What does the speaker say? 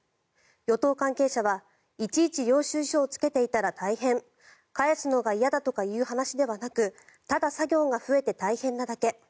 与党関係者は、いちいち領収書をつけていたら大変返すのが嫌だとかいう話ではなくただ作業が増えて大変なだけ。